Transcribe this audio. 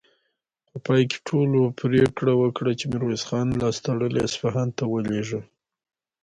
په پای کې ټولو پرېکړه وکړه چې ميرويس خان لاس تړلی اصفهان ته ولېږي.